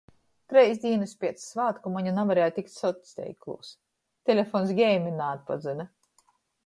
Treis dīnys piec svātku Moņa navarēja tikt socteiklūs. Telepons geima naatpazyna.